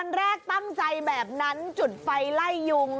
แรกตั้งใจแบบนั้นจุดไฟไล่ยุง